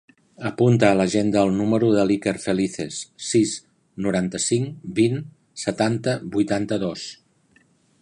Apunta a l'agenda el número de l'Iker Felices: sis, noranta-cinc, vint, setanta, vuitanta-dos.